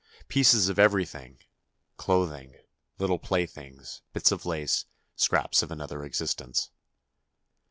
Pieces of everything; clothing, little playthings, bits of lace, scraps of another existence.